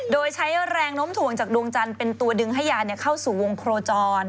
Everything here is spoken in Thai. โดยใช้แรงน้มถ่วงจากดวงจันทร์เป็นตัวดึงให้ยาเข้าสู่วงโคจร